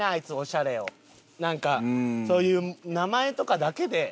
なんかそういう名前とかだけで。